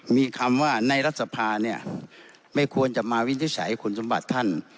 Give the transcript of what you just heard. มีคำว่าในรัฐสภาเนี่ยไม่ควรจะมาวินิจฉัยคุณสมบัติท่าน